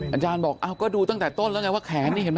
อาจารย์บอกก็ดูตั้งแต่ต้นแล้วไงว่าแขนนี่เห็นไหม